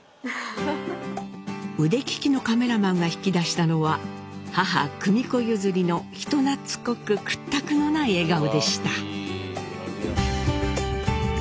腕利きのカメラマンが引き出したのは母久美子譲りの人懐こく屈託のない笑顔でした。